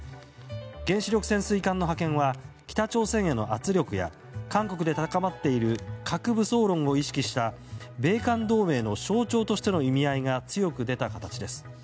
原子力潜水艦の派遣は北朝鮮への圧力や韓国で高まっている核武装論を意識した米韓同盟の象徴としての意味合いが強く出た形です。